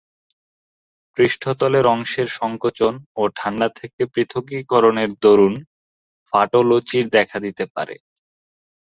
পৃষ্ঠতলের অংশের সংকোচন ও ঠাণ্ডা থেকে পৃথকীকরণের দরুন ফাটল ও চিড় দেখা দিতে পারে।